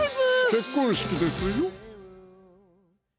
結婚式ですよ！